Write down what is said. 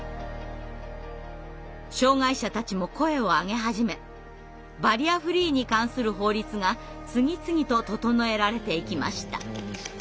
障害者たちも声を上げ始めバリアフリーに関する法律が次々と整えられていきました。